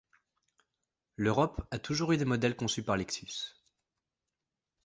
L’Europe a toujours eu des modèles conçus par Lexus.